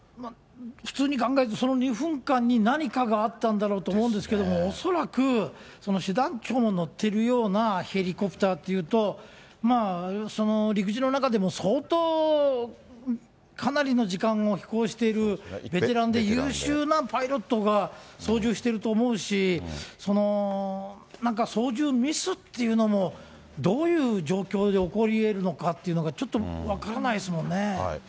普通に考えて、その２分間に何かがあったんだろうと思うんですけども、恐らくその師団長も乗ってるようなヘリコプターっていうと、陸自の中でも相当、かなりの時間を飛行しているベテランで優秀なパイロットが操縦してると思うし、なんか操縦ミスっていうのも、どういう状況で起こりえるのかっていうのが、ちょっと分からない